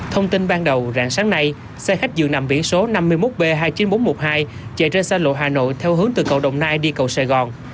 thông tin ban đầu rạng sáng nay xe khách dường nằm biển số năm mươi một b hai mươi chín nghìn bốn trăm một mươi hai chạy trên xa lộ hà nội theo hướng từ cầu đồng nai đi cầu sài gòn